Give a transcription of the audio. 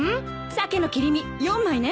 サケの切り身４枚ね。